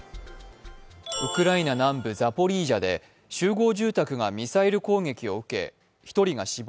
ウクライナ南部ザポリージャで集合住宅がミサイル攻撃を受け１人が死亡、